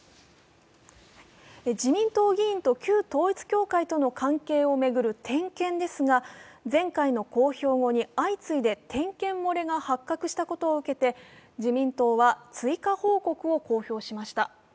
自民党議員と旧統一教会との関係を巡る点検ですが、前回の公表後に相次いで点検漏れが発覚したことを受けて自民党は追加報告を公表しました。